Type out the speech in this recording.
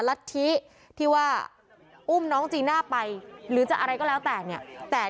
รัฐธิที่ว่าอุ้มน้องจีน่าไปหรือจะอะไรก็แล้วแต่เนี่ยแต่